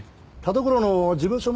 田所の事務所